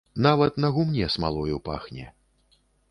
Нават на гумне смалою пахне.